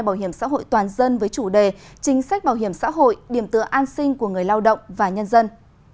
bảo hiểm xã hội toàn dân với chủ đề chính sách bảo hiểm xã hội điểm tựa an sinh của người lao động và nhân dân